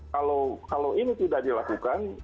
kalau ini tidak dilakukan